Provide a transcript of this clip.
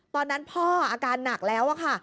ตอนนั้นพ่ออาการหนักแล้วค่ะ